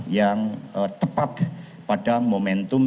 yang tepat pada momentum